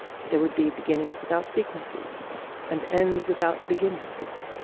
There would be beginnings without sequences, and ends without beginnings.